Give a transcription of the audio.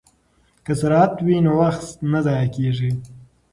که سرعت وي نو وخت نه ضایع کیږي.